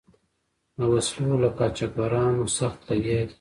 د وسلو له قاچبرانو سخت لګیا دي.